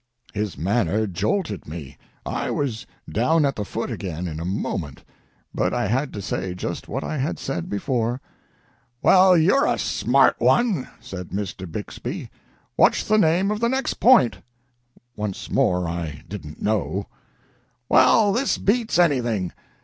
His manner jolted me. I was down at the foot again, in a moment. But I had to say just what I had said before. "Well, you're a smart one," said Mr. Bixby. "What's the name of the next point?" Once more I didn't know. "Well, this beats anything!